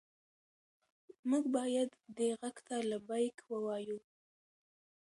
موږ باید دې غږ ته لبیک ووایو.